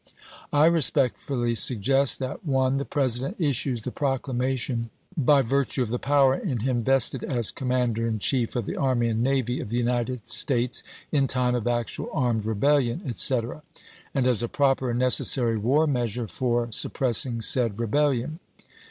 I respectfully suggest that: 1. The President issues the proclamation " by virtue of the power in him vested as Commander in Chief of the army and navy of the United States in time of actual armed rebellion," etc., "and as a proper and necessary war measure for sup 420 ABEAHAM LINCOLN Chap. XIX. pressing said rebellion."